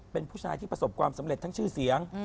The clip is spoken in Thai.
เป็นผู้ชายที่ประสบความสำเร็จทั้งชื่อเสียง